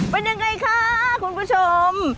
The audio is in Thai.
เป็นยังไงคะคุณผู้ชม